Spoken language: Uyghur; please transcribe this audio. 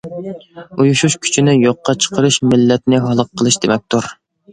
ئۇيۇشۇش كۈچىنى يوققا چىقىرىش مىللەتنى ھالاك قىلىش دېمەكتۇر.